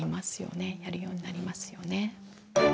やるようになりますよね。